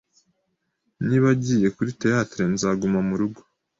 Niba agiye kuri theatre, nzaguma murugo.